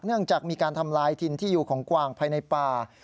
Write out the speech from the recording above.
เนื่องจากมีการทำลายถิ่นที่อยู่ของกวางภายในป่า